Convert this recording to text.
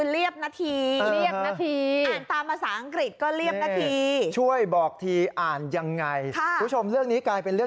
เลยครับเลยเห็นแล้ว